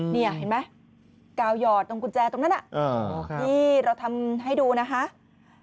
นี่เห็นไหมกาวหยอดตรงกุญแจตรงนั้นที่เราทำให้ดูนะคะ